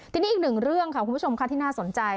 ทีนี้อีกหนึ่งเรื่องค่ะคุณผู้ชมค่ะที่น่าสนใจ